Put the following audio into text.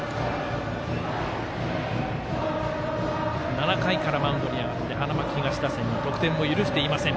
７回からマウンドに上がって花巻東打線に得点を許していません。